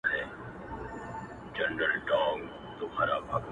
د پکتيا د حُسن لمره، ټول راټول پر کندهار يې.